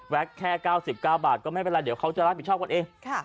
แค่๙๙บาทก็ไม่เป็นไรเดี๋ยวเขาจะรับผิดชอบกันเอง